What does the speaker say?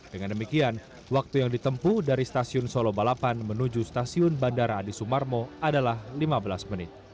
dengan demikian waktu yang ditempuh dari stasiun solo balapan menuju stasiun bandara adi sumarmo adalah lima belas menit